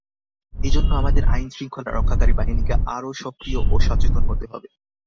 এ জন্য আমাদের আইনশৃঙ্খলা রক্ষাকারী বাহিনীকে আরও সক্রিয় ও সচেতন হতে হবে।